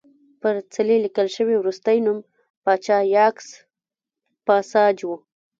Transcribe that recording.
پر څلي لیکل شوی وروستی نوم پاچا یاکس پاساج و